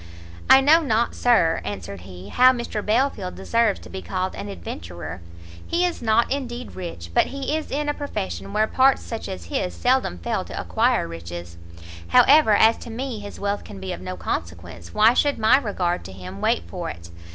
"I know not, Sir," answered he, "how Mr Belfield deserves to be called an adventurer: he is not, indeed, rich; but he is in a profession where parts such as his seldom fail to acquire riches; however, as to me his wealth can be of no consequence, why should my regard to him wait for it?